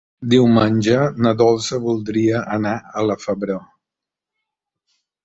Diumenge na Dolça voldria anar a la Febró.